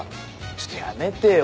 ちょっとやめてよ